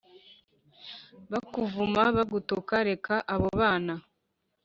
Bakuvuma bagutuka reka abo bana